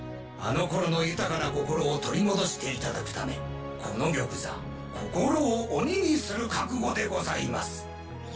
あの頃の豊かな心を取り戻していただくためこの玉座心を鬼にする覚悟でございます。